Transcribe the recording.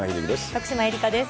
徳島えりかです。